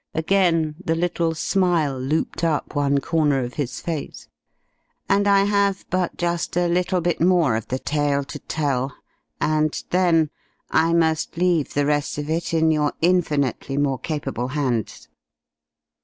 Again the little smile looped up one corner of his face. "And I have but just a little bit more of the tale to tell, and then I must leave the rest of it in your infinitely more capable hands.